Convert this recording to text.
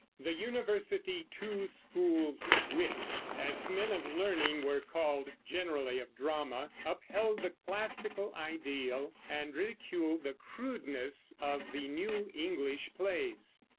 The University Two Schools Wits, as men of learning were called, generally of Drama upheld the classical ideal, and ridiculed the crude ness of the new English plays.